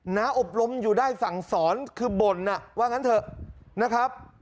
อบรมอยู่ได้สั่งสอนคือบ่นว่างั้นเถอะนะครับ